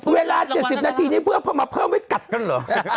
เวลา๗๐นาทีนี้เพื่อมาเพิ่มไว้กัดกันเหรอ